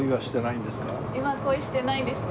今は恋してないですね。